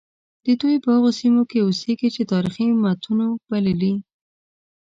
دوی په هغو سیمو کې اوسیږي چې تاریخي متونو بللي.